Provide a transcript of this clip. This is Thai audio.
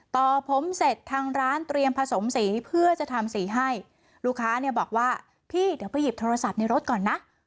ต่อผมเสร็จทางร้านเตรียมผสมสีเพื่อจะทำสีให้ลูกค้าเนี่ยบอกว่าพี่เดี๋ยวไปหยิบโทรศัพท์ในรถก่อนนะ